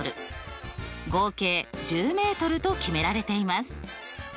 合計１０ｍと決められています。